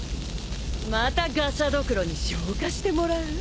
またガシャドクロに消火してもらう？